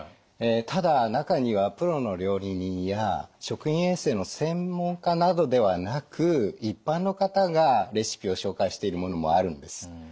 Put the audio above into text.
ただ中にはプロの料理人や食品衛生の専門家などではなく一般の方がレシピを紹介しているものもあるんです。